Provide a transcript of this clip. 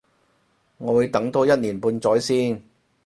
我會等多一年半載先